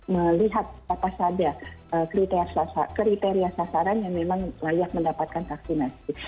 melihat apa saja kriteria sasaran yang memang layak mendapatkan vaksinasi